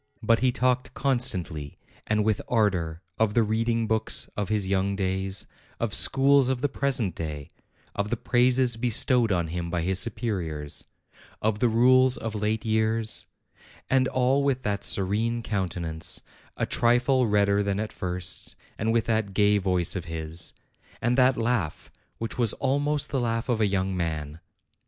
But he talked constantly, and with ardor, of the reading books of his young days; of schools of the present day; of the praises bestowed on him by his superiors; of the rules of late years: and all with that serene countenance, a trifle redder than at first, and with that gay voice of his, and that laugh which was almost the laugh of a young man.